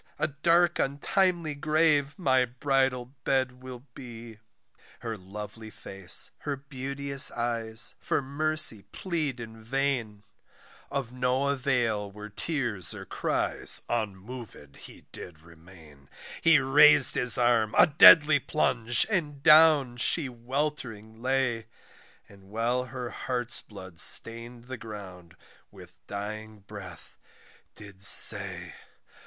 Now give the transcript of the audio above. a dark untimely grave, my bridal bed will be. Her lovely face, her beauteous eyes, for mercy plead in vain, Of no avail were tears or cries unmov'd he did remain, He rais'd his arm, a deadly plunge, and down she weltering lay, And while her heart's blood stain'd the ground, with dying breath did say.